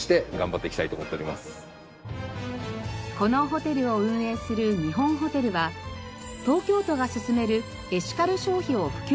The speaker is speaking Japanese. このホテルを運営する日本ホテルは東京都が進めるエシカル消費を普及させる取り組み